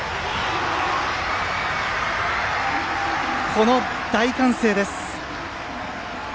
この大歓声です。